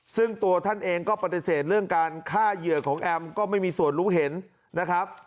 ซึ่งตัวท่านเองก็ปฏิเสธเรื่องการฆ่าเหยื่อของแอมก็ไม่มีส่วนรู้เห็นนะครับ